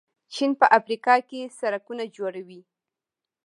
چین په افریقا کې سړکونه جوړوي.